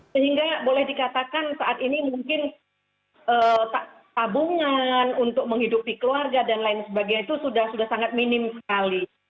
sehingga boleh dikatakan saat ini mungkin tabungan untuk menghidupi keluarga dan lain sebagainya itu sudah sangat minim sekali